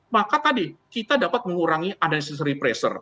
maka tadi kita dapat mengurangi undercistory pressure